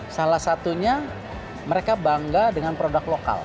salah satunya mereka bangga dengan produk lokal